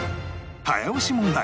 早押し問題